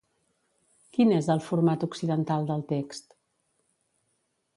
Quin és el format occidental del text?